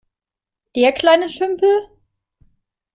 Der kleine Tümpel?